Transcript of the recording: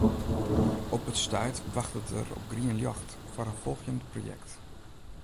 Op it stuit wachtet er op grien ljocht foar in folgjend projekt.